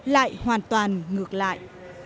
lại hoàn toàn ngược lại